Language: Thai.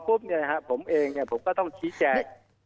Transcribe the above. ผมเองเนี่ยผมก็ต้องชี้แจก